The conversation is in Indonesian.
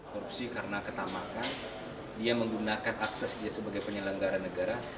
korupsi karena ketamakan dia menggunakan akses dia sebagai penyelenggara negara